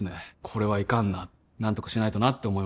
これはいかんな何とかしないとなって思いますよね